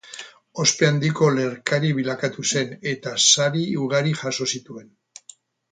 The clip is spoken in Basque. Ospe handiko olerkari bilakatu zen, eta sari ugari jaso zituen.